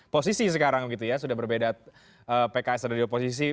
posisi sekarang gitu ya sudah berbeda pks ada di oposisi